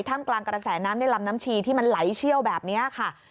มกลางกระแสน้ำในลำน้ำชีที่มันไหลเชี่ยวแบบนี้ค่ะ